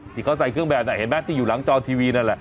ที่เขาใส่เครื่องแบบน่ะเห็นไหมที่อยู่หลังจอทีวีนั่นแหละ